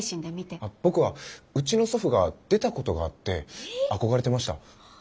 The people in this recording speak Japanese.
僕はうちの祖父が出たことがあって憧れてました。